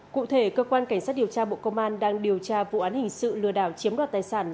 cụ thể cơ quan cảnh sát điều tra bộ công an đang điều tra vụ án hình sự lừa đảo chiếm đoạt tài sản